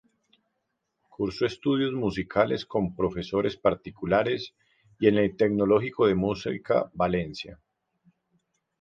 Curso estudios musicales con profesores particulares, y en el Tecnológico de Música Valencia.